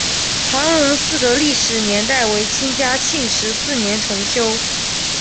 韩泷祠的历史年代为清嘉庆十四年重修。